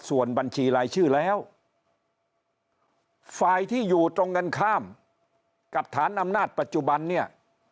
ส่วนบัญชีรายชื่อแล้วฝ่ายที่อยู่ตรงกันข้ามกับฐานอำนาจปัจจุบันเนี่ย